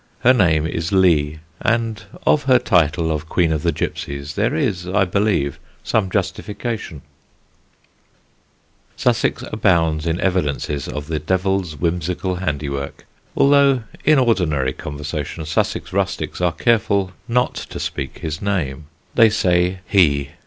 Her name is Lee, and of her title of Queen of the Gipsies there is, I believe, some justification. [Sidenote: "HE"] Sussex abounds in evidences of the Devil's whimsical handiwork, although in ordinary conversation Sussex rustics are careful not to speak his name. They say "he."